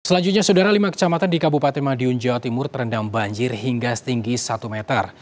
selanjutnya saudara lima kecamatan di kabupaten madiun jawa timur terendam banjir hingga setinggi satu meter